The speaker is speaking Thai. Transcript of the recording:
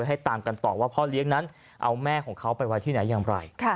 ให้ตามกันต่อว่าพ่อเลี้ยงนั้นเอาแม่ของเขาไปไว้ที่ไหนอย่างไร